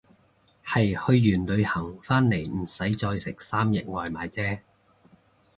係去完旅行返嚟唔使再食三日外賣姐